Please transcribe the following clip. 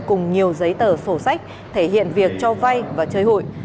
cùng nhiều giấy tờ sổ sách thể hiện việc cho vay và chơi hụi